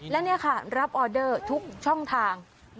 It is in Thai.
และนี่ค่ะรับออเดอร์ทุกช่องทาง